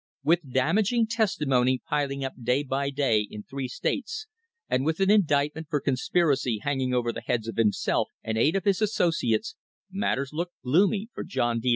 With damaging testimony piling up day by day in three states, and with an indictment for conspiracy hanging over the heads of himself and eight of his associates, matters looked gloomy for John D.